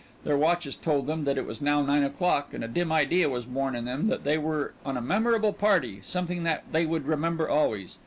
Their watches told them that it was now nine o'clock, and a dim idea was born in them that they were on a memorable party, something that they would remember always.